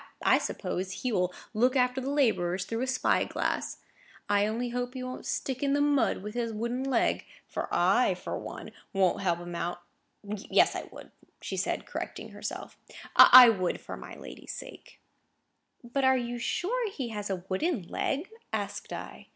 I suppose he will look after the labourers through a spy glass. I only hope he won't stick in the mud with his wooden leg; for I, for one, won't help him out. Yes, I would," said she, correcting herself; "I would, for my lady's sake." "But are you sure he has a wooden leg?" asked I.